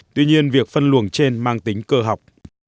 tuy nhiên việc phân luồng trên mang tính cơ học